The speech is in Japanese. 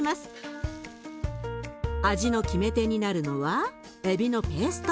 味の決め手になるのはエビのペースト。